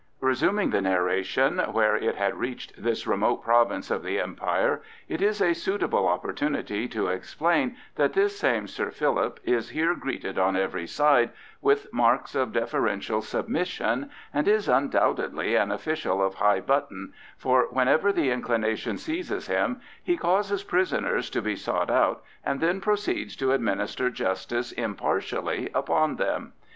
Resuming the narration where it had reached this remote province of the Empire, it is a suitable opportunity to explain that this same Sir Philip is here greeted on every side with marks of deferential submission, and is undoubtedly an official of high button, for whenever the inclination seizes him he causes prisoners to be sought out, and then proceeds to administer justice impartially upon them.